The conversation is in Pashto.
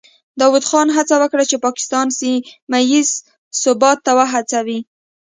داود خان هڅه وکړه چې پاکستان سیمه ییز ثبات ته وهڅوي.